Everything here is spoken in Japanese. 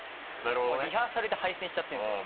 もうリハーサルで敗戦しちゃってるんですよね。